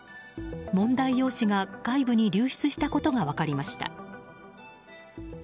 問題用紙が外部に流出したことが分かりました。